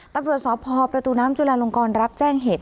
ตัวประวัติศาสตร์พประตูน้ำจุฬาลงกรรับแจ้งเหตุ